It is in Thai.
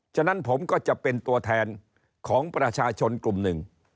ฉะนั้นผมก็จะเป็นตัวแทนของประชาชนกลุ่มหนึ่ง